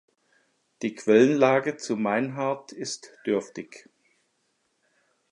Die Quellenlage zu Meinhard ist dürftig.